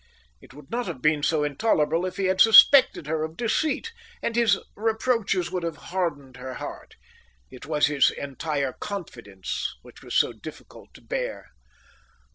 It would not have been so intolerable if he had suspected her of deceit, and his reproaches would have hardened her heart. It was his entire confidence which was so difficult to bear.